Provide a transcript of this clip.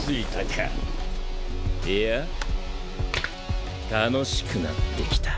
パキッ楽しくなってきた。